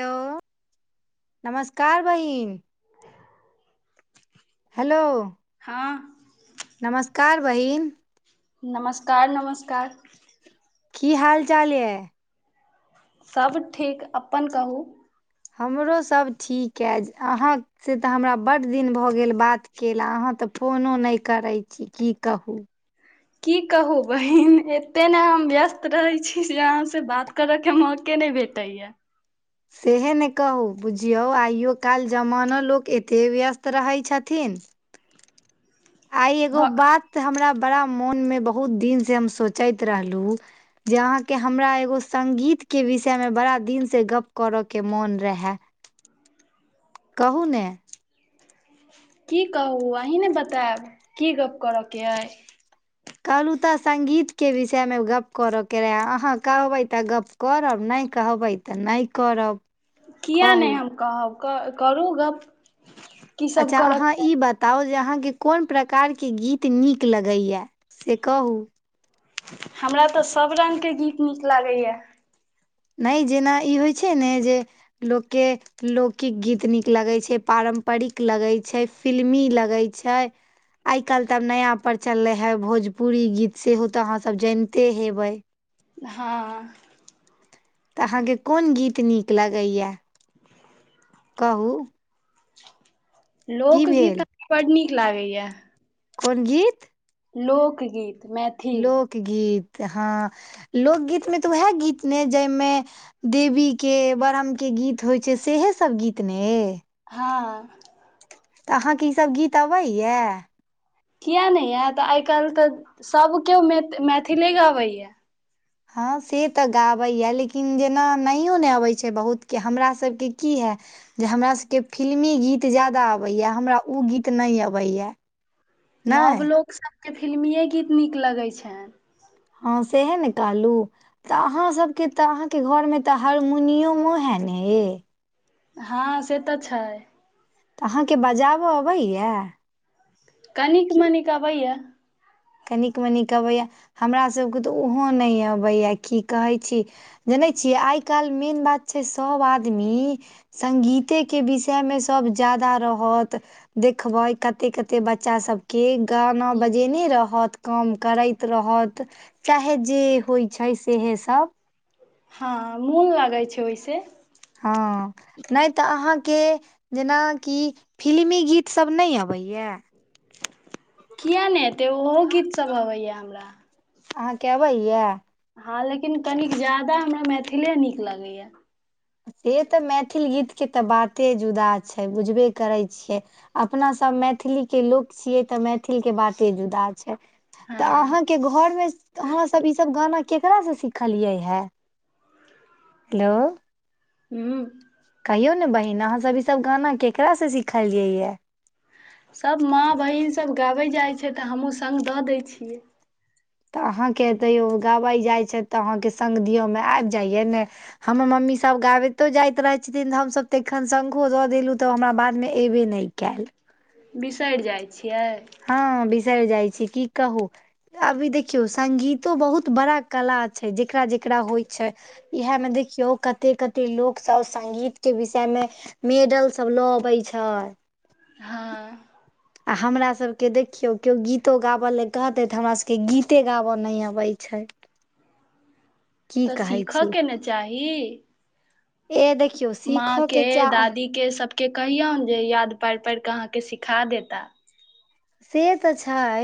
Hello नमस्कार बहिन hello हँ नमस्कार बहिन नमस्कार नमस्कार की हाल चाल ये सब ठीक अपन कहू हमरो सभ ठीक अए अहाँ से तऽ हमरा बड्ड दिन भऽ गेल बात कयला अहाँ तऽ फोनो नय करै छी की कहू। की कहू बहिन एते ने हम व्यस्त रहे छी जे आहाँ से बात करऽ के मौके नय भेल। त ए। सेह ने कहू बुझियौ आइयओ काल जमाना लोक एतेक व्यस्त रहैत छथिन। आइ एगो बात हमरा बड़ा मोन मे बहुत दिन से हम सोचैत रहलहुँ। जे अहाँके हमरा एगो सगीत के विषय मे बड़ा दिनसँ गप्प करयके मोन रहय कहू ने की कहू अहीँ ने बतायब की गप्प कर के अइ कहलहुँ तऽ संगीत के विषय मे गप्प करय के रहै अहाँ कहबै तऽ गप्प करब नय कहबै तऽ नय करब किए कहू नय हम कहब करू गप्प अच्छा अहाँ ई बात बताउ जे अहाँ के कोन प्रकार के गीत नीक लगैया से कहू हमरा तऽ सभ रंगग के गीत नीक लागैएा नय जेना ई होइ छै ने जे लोक के लोकौिक गीत नीक लगै छै पारम्परिक लगै छै फिल्मी लगै छै आइ काल्हि त नयाा प चललै हइ भोजपुरी गीत सेहो तऽ अहाँसभ जनिते हेबै हँ तऽ अहाँ के कोन गीत नीक लगैएा कहू की लोकगीत भेल हमरा बड्ड नीक लागैए कोन गीत लोकगीत मै लोकगीत हँ लोकगीत मे तऽ उएह गीत ने जाहिमे देवी के ब्रह्मम के गीत होइ छै सहे सभ गीत ने हँ तऽ अहाँके ई सभ गीत अबैया किया नहि यएतऽ आइ काल्हि तऽ सभ केओ मैथिले गबैए हँ से तऽ गाबैए लेकिन जेना नहियओ नय अबैत छै बहुत के हमरा सभ के की हए जे हमरा सभ के फिल्मी गीत ज्यादा अबैए हमरा ओ गीत नय अबैए नव लोक सभ के फिल्मीए गीत नीक लगैत छैन हँ सएहे ने कहलू तऽ अहाँ सभके तऽ अहाँके घरमे तऽ हारमोनियमो हइ ने यइ हँं से तऽ छै तऽ अहाँके बजाबऽ अबैया की कनिक मनिक अबैया कनिक मनिक अबैए हमरा सभके तऽ ओहो नय अबैए की कहैत छी जनै छियै आइ काल्हि मेन बात छै सभ आदमी संगगीते के विषय मे सभ ज्यादा रहत देखबै कते कते बच्चा सब के गाना बजेने रह होत काम करैत रहत चाहे जे होइ छै सेहे सभ हँ मोन लगै छै ओहिसँ हँ नय तऽ अहाँके जेनाकि फिल्मी गीत सभ नय अबैए किया नहि एते ओहो गीत सब अबैया हमरा अहाँ के अबैयए हँ लेकिन कनिक ज्यादा हमरा मैथिले नीक लगैये से त मैथिल गीत के त बाते जुदा छै बुझबे करै छियै अपना सभ मैथिली के लोक छियै त मैथिल के बाते जुदा छै तऽ हँ अहाँ के घर मे त अहाँ सब ईस गाना केकरा सँ सिखलियै हे हेलो हूँ कहियौ ने बहिन अहाँ सभ ई सभ गाना ककरासँ सिखलियै ये सभ माँ बहीन सभ गाबैत जाइत छै त हमहूँ संग द दैत छियै त अहाँके तैयो गाबैत जाइत छथि त अहाँ के संग दिओ मे आबि जाइए ने हमर मम्मी सब गाबैतो जाइत रहे छथिन त हम सभ तेखन संगो द देलु त हमरा बाद मे एबे ने कैल बिसरि जाइ छियै हँ बिसैर जाइ छीये की कहू अभी देखियौ संगीतो बहुत बड़ा कला छै जेकरा जेकरा होइ छै इहे में देखियो कते कते लोग सब संगीत के विषय मे मेडल सब ल अबै छै हँ आ हमर सभके देखियौ केओ गीतो गाब लेल कहतै त हमरा सभके गीते गाबे नहि अबैत छै की त कहै सीखअ छी के ने चाही ए देखियौ माँ सीखअ के चाही दादी के सबके कहियौन जे याद पारि पारि के अहाँ के सिखा देता से त छै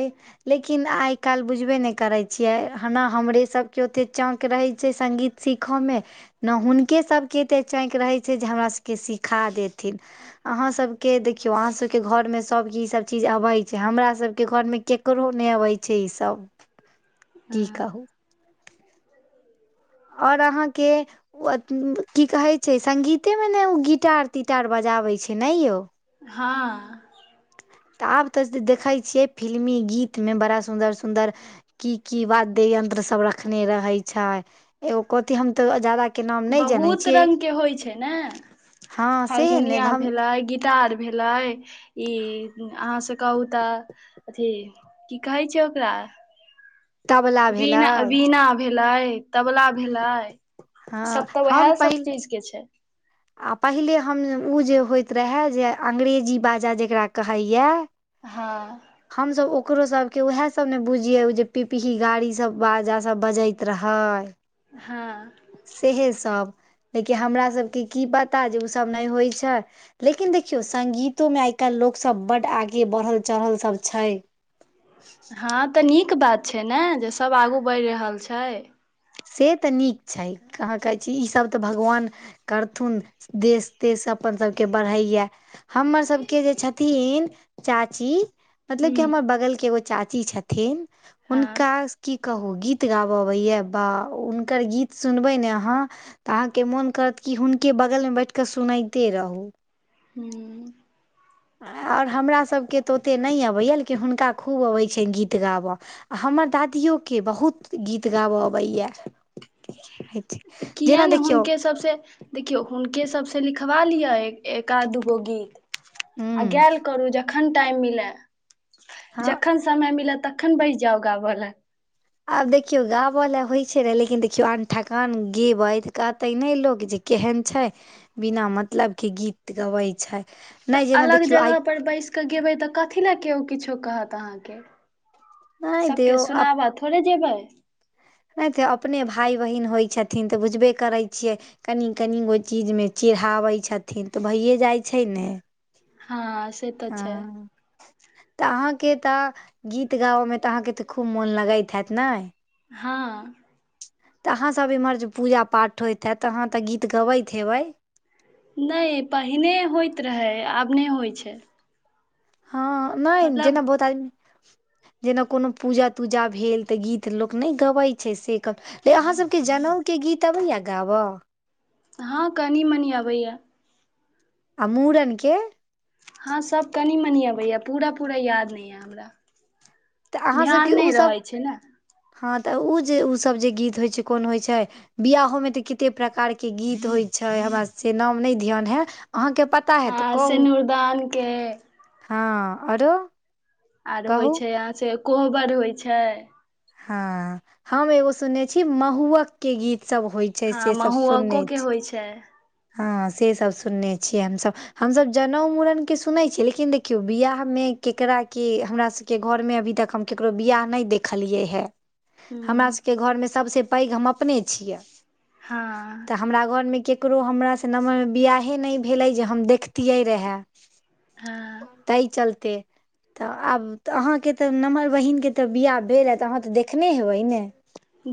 लेकिन आइ काल्हि बुझबे नहि करैत छियै हना हमरे सभके ओतेक चौक रहैत छै संगीत सीखय मे ने हुनके सभके एतेक चाँंकि रहै छै जे हमरा सबके सिखा देथिन अहा सब के देखियो अहा सब के घर में सब के इ सब चीज अबे छै हमरा सबके घर मे केकरो नहि अबै छै ई सब की कहू [inaudible] आओर अहाँ के ओ की कहैत छै सगीते मे ने ओ गिटार तिटार बजाबैत छै ने यौ हँ त आब त देखै छियै फिल्मी गीत मे बड़ा सुन्दर सुन्दर की की वाद्य यंत्र सब रखने रहे छै एगो कथी हम तो ज्यादा बहुत रंग के होइ छै ने हँ सेहे ने हारमोनिया हम भेलै गीत टार भेले ई अहाँ से कहू त अथी की कहै छै ओकरा तबला भेलै वीना वीना भेलै तबला भेलै हँ ई सब त उएह हम सब पहिल चीज के छै आ पहिले हम ओ जे होइत रहय जे अ्ंग्रेजी बाजा जकरा कहैए हँ हम सभ ओकरो सभ के उएह सभ ने बुझियै जे पिपही गाड़ी सभ बाजा सभ बजैत रहै हँ सेहे सभ लेकिन हमरा सभ के की पता जे ओ सभ नहि होइ छै लेकिन देखियौ संगीतो मे आइ काल्हि लोकसभ बड्ड आगे बढ़ल चढ़ल सभ छै हँ तऽ नीक बात छै ने जे सभ आगू बैढ़ रहल छै से तऽ नीक छै कहाँ कहै छी ईसभ तऽ भगवान करथुन देश तेश अपन सभके बढ़ैया हमर सबके जे छथिन चाची मतलब कि हूँ हमर बगल के एगो चाची छथिन हँ हुनका की कहू गीत गाबऽ अबैए बा ओ हुनकर गीत सुनबै ने अहाँ तऽ अहाँके मोन करत कि हुनके बगल मे बैठ कऽ सुनइते रहू हूँ ओर हमरासभके तऽ ओतेक नय अबैए लेकिन हुनका खूब अबैत छनि गीत गाबय आ हमर दादियो के बहुत गीत गाबय अबैए तऽ किए नै हुनके सबस देखियौ हुनके सभसँ लिखबा लिअ एकाध दूगो गीत आ हूँ गैल करू जखन टाइम मिलै हँ जखन समय मिलत तखन बैस जाउ गाबऽ लए आब देखियौ गाबय ल होइ छै ने लेकिन देखियौ आन ठकान गेबै त कहते ने लोक जे केहन छय बिना मतलब के गीत गबै छै तऽ नहि जेना अलग देखियौ जगह आइ पर बैस कऽ गेबै तऽ कथि लए केओ किछो कहत अहाँके नहि सबके दियौ सुनाबा थोड़े जेबै नय तऽ अपने भाय बहिन होइ छथिन तऽ बुझबे करै छियै कनि कनि गो चीज मे चिढ़ाबैत छथिन तऽ भइए जाइ छै ने हँ से तऽ छै हँ तऽ अहाँके तऽ गीत गाबऽ मे तऽ अहाँके तऽ खूब मोन लगैत हैत ने हँ तऽ अहाँ सभ एम्हर जे पूजा पाठ होइत हेतऽ अहाँ तऽ गीत गबैत हेबै नय पहिने होइत रहै आब नय होइ छैय हँ नय जेना बहुत आदमी जेना कोनो पूजा तूजा भेल तऽ गीत लोक नय गबैत छै से क ल अहाँ सभके जनउ के गीत अबै या गाब हँ कनि मनि अबैए आ मूड़न के हँ सभ कनि मनि अबैएा पूरा पूरा याद नय यए हमरा तऽ अहाँसभके ध्यान नय ओसभ रहै छै न हँ तऽ ऊ जे ऊ सब जे गीत होइ छैय कोन होइ छैय बियाहो में तऽ कते प्रकार के गीत होइ छैय हमरा से नाम नय ध्यान है अहाँके पता पता है तऽ हँ कहू सिनूरदान के हँ आरो आरो होइ कहू छै यहाँ सँ कोहबर होइ छय हँ हम एगो सुनने छी महुअक के गीत सब होय हँ से सब महुआको सुनने के छि होइ छै से सब सुनने छिय हम सभ हमसभ जनेउ मुड़न के सुनै छियै लेकिन देखियौ बियाह मे केकरा के हमरा सब के घर मे अभी तक हम ककरो बियाह नय देखलियै हे हूँ हमरा सबके घर मे सबसे पैघ हम अपने छियै हँ तऽ हमरा घर मे ककरो हमरा से नमहर बियाहे नय भेलै जे हम देखतियै रहै हँ [inaudible] तय चलते तऽ आब तऽ अहाँके तऽ नम्हर बहीन के तऽ बियाह भेलए तऽ अहाँ तऽ देखने हेबै ने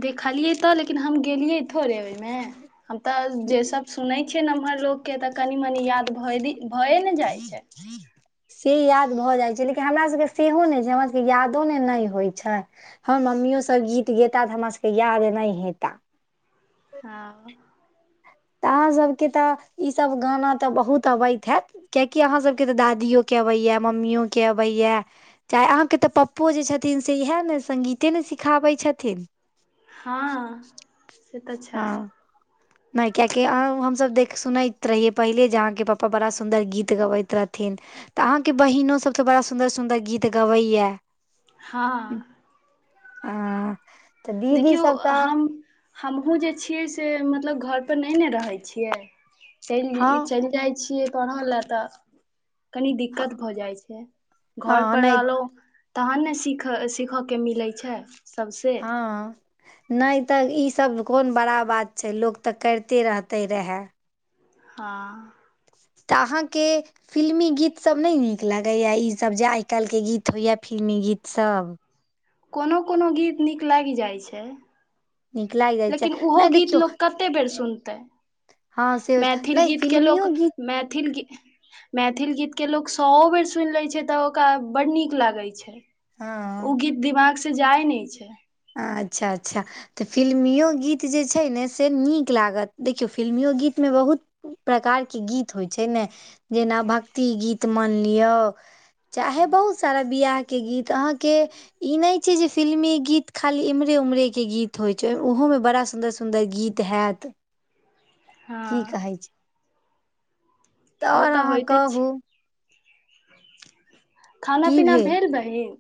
देखलियै तऽ लेकिन हम गेलियै थोड़े ओईमे हम तऽ जे सब सुनै छियै नम्हर लोग के तऽ कनि मनी याद भए भए ने जाइ छै से याद भऽ जाइ छै लेकिन हमरा सब के सेहो नय छै हमरा सब के यादो ने नय होइ छै हमर मम्मियो सब गीत गेता तऽ हमरा सब के याद नय हेता हँ तऽ अहाँ सबके तऽ ई सब गाना तऽ बहुत अबति हति कियाकि अहाँ सभके तऽ दादियो के अबैया मम्मियो के अबैया चाहे अहाँके तऽ पप्पो जे छथिन से इएह ने संगिते ने सिखाबै छथिन हं ह नय कियाकि अंहु हम सब देख सुनति रहियै पहिले जे आहाँ के पपा बड़ा सुन्दर गीत गबति रहथिन तऽ अहाँके बहिनो सब त बड़ा सुन्दर सुन्दर गीत गबैया हां आ तऽ दीदी देखियौ सब त हम हमहूँ जे छियै से मतलब घर पर नय ने रहै छियै चलि ई हँ चलि जाइ छियै पढ़ लेऽ तऽ कनी हँ दिक्कत भऽ जाइ छै घर हँ पर नहि रहलौ तहन न सीखऽ सीखऽके मिलै छयि हं नय तऽ ई सब कोन बड़ा बात छै लोक तऽ कैरते रहतै रेहे हं तऽ आहाँके फिल्मी गीत सब नय नीक लागैया इ सब जे आय कलि के गीत होय या फिल्मी गीत सब कोनो कोनो गीत नीक लगि जाय छय नीक लागि जाइ छै लेकिन ओहो नहि गीत देखियौ लोक कते बेर सुनतै हँ से मैथिल नहि गीत के फिल्मियो लोक गीत मैथिल गीत मैथिल गीत के लोक सौ वो बेर सुुइन लैय छै तऽ ओकरा बड नीक लागै छय उ हँ गीत दिमाग से जाय नय छय अच्छा अच्छा तऽ फिल्मिओ गीत जे छै ने से नीक लागत देखियौ फिल्मिओ गीत मे बहुत प्रकार के गीत होय छै ने जेना भक्ति गीत मैनलियौ चाहे बहुत सारा बियाह के गीत आहाँ के इ नय छै जे फिल्मी गीत खाली एम्हरे ओम्हरे के गीत होय छै ओहो मे बड़ा सुन्दर सुन्दर गीत हेऽत हँ की कहै छै तऽ ओ आओर अहाँ होइते छै कहू खाना पीना भेल बहीन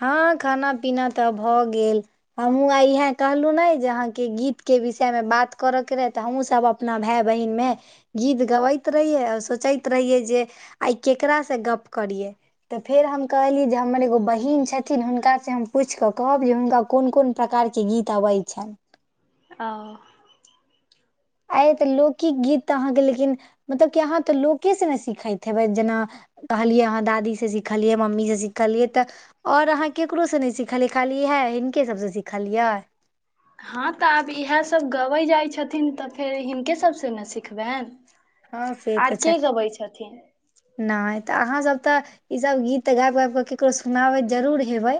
हं खाना पीना तऽ भऽ गेल हमहूँ आय इहेऽ कहलू नेै जे आहाँ के गीत के विषय मे बात करऽ के रहै तऽ हमहूँ सब अप अपना भेऽय बहिन मे गीत गबति रहियै औ सोचति रहियै जे आय केकरा से गप करियै तऽ फेर हम कहली जे हमर एगो बहिन छथिन हुनका से हम पुछि कऽ कहब जे हुनका कोन कोन प्रकार के गीत अबै छनि ओ आय तऽ लोकिकिक गीत तऽ आहाँ के लेकिन मतलब कि आहाँ तऽ लोके से ने सिखति हेबै जेना कहलियै हं दादी स सिखलियै मम्मी स सिखलियै तऽ और आहाँ केकरो स नैय सिखलियै खाली इएहे हिनके सब से सिखलियै ह तऽ आब इएहे सब गबै जाइ छथिन तऽ फेर हिनके सब स नै सिखबैन हँ आयकि गबै छथिन नैय तऽ आहाँ सब तऽ इ सब गीत तऽ गैइब- गैइब कऽ केकरो सुनाबैत जरूुर हेबै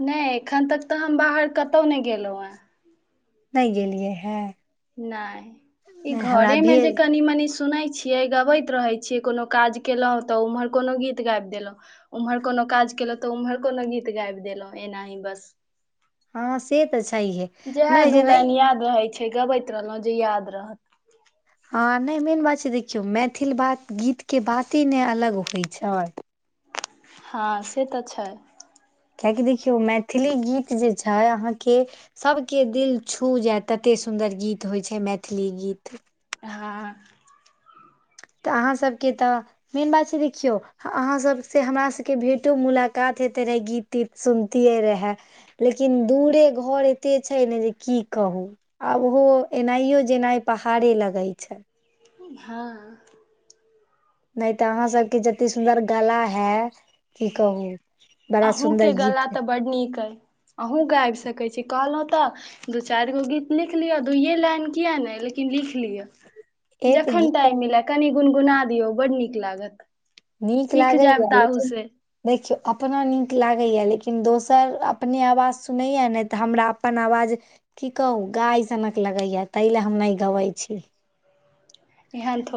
नैय एखन तक तऽ हम बाहर कतौ नैय गेलौ हन नैय गेलियै हन नैय इ घरे में जे भेल कनी -मनी सुनै छी यै गबैत रहै छि कोनो काज केलौ तऽ ओम्हर कोनो गीत गैब देलौ उम्हर कोनो काज केलौ तऽ उम्हर कोनो गीत गैब देलौ एनाही बस ह से तऽ छैहे जएहे नहि दू जेना लाइन याद रहै छै गबैत रहलौ जे याद रहत ह नैय मेन बात छै देखियौ मैथिल बात गीतके बाते नैय अलग होय छैय ह से तऽ छैय कियाकि देखियौ मैथिली गीत जे छै आहाँ के सभके दिल छू जायत ततेए सुन्दर गीत होय छैय मैथिली गीत हं तऽ आहाँ सब के तऽ मेन बात छै देखियौ अहाँसभसँ हमर सभके भेँटो मुलाकात होेइते रहए गीत तीत सुनतियै रहए। लेकिन दूरे घर एते छै न जे की कहू आ ओहो एनायो -जेनाय पहाड़े लगै छै हँ। नहि तऽ अहाँ सबके जतेक सुन्दर गला है। की कहू बड़ा सुंन्दर गीत। बड्ड नीक हइ। अहुूँ गाबि सकैय छी कहलहुँ तऽ। दू चारि गो गीत लिख लियअ दुइए लाइन किियाक नहि लेकिन लिख लिअ। ए तऽ जखन तटाइ गीत मिलय कनि गुनगुना दियौ बड्ड नीक लागत। नीक सीख जायब लागैया ताहू लेकिन से देखियौ अपना नीक लाग। लागैए लेकिन दोसर अपने आवाज सुनैए नहि तऽ हमरा अपन आवाज। की कहू गायसनक लगैया ताहि लए हम नहि गबैत छी। इहनत।